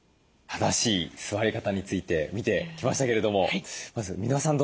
正しい座り方について見てきましたけれどもまず箕輪さん